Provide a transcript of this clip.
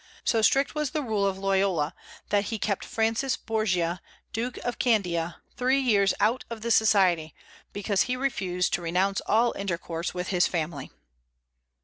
So strict was the rule of Loyola, that he kept Francis Borgia, Duke of Candia, three years out of the Society, because he refused to renounce all intercourse with his family.